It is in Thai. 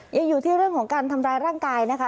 ยังอยู่ที่เรื่องของการทำร้ายร่างกายนะคะ